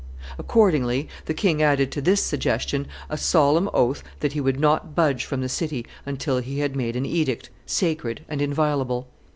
Accordingly the king added to this suggestion a solemn oath that he would not budge from the city until he had made an edict, sacred and inviolable.